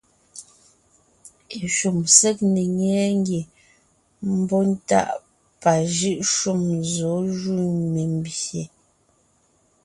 Eshúm ség ne ńnyɛɛ ngie mbɔ́ntáʼ pajʉ́ʼ shúm zɔ̌ jú membyè.